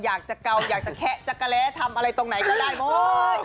อยากจะเกาอยากจะแขะจะแกะแหละทำอะไรตรงไหนก็ได้โบ๊ย